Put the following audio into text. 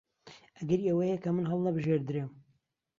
ئەگەری ئەوە هەیە کە من هەڵنەبژێردرێم.